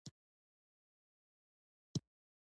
افغانستان په دې برخه کې له ګڼو نړیوالو بنسټونو سره کار کوي.